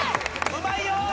うまいよ。